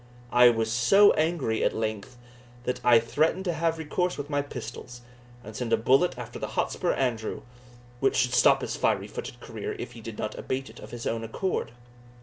I was so angry at length, that I threatened to have recourse to my pistols, and send a bullet after the Hotspur Andrew, which should stop his fiery footed career, if he did not abate it of his own accord.